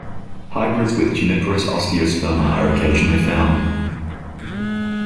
Hybrids with "Juniperus osteosperma" are occasionally found.